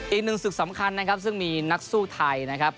อีกหนึ่งศึกสำคัญนะครับซึ่งมีนักสู้ไทยนะครับ